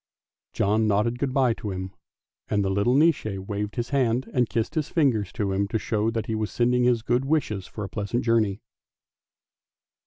John nodded good bye to him, and the little Nisse waved his hand and kissed his fingers to him to show that he was sending his good wishes for a pleasant journey.